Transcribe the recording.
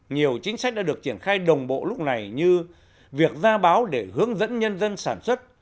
nhiều chính sách đã được triển khai đồng bộ lúc này như việc ra báo để hướng dẫn nhân dân sản xuất